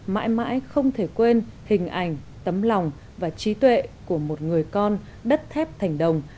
mãi mãi không thể quên hình ảnh tấm lòng và trí tuệ của một người con đất thép thành đồng